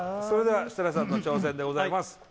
それでは設楽さんの挑戦でございます